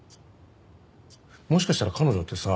もしかしたら彼女ってさ